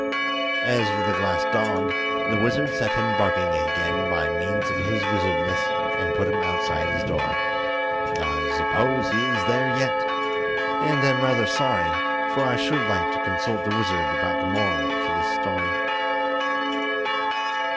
As for the glass dog, the wizard set him barking again by means of his wizardness and put him outside his door. I suppose he is there yet, and am rather sorry, for I should like to consult the wizard about the moral to this story.